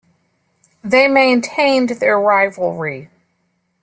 They maintained their rivalry.